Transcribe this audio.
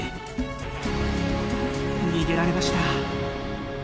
逃げられました。